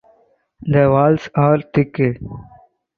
The walls are thick.